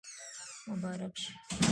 مبارک شه